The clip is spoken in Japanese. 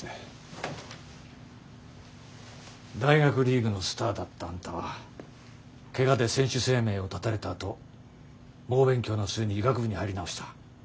大学リーグのスターだったあんたはケガで選手生命を絶たれたあと猛勉強の末に医学部に入り直した。